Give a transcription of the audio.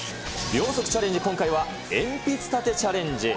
秒速チャレンジ、今回は鉛筆立てチャレンジ。